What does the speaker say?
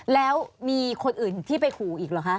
แล้วมีคนอื่นที่ไปขู่อีกเหรอคะ